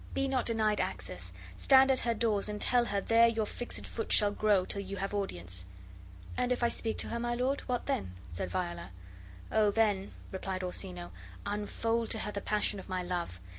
Be not denied access; stand at her doors and tell her there your fixed foot shall grow till you have audience." "And if I do speak to her, my lord, what then?" said Viola. "Oh, then," replied Orsino, "unfold to her the passion of my love.